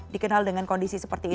dikenal dengan kondisi seperti ini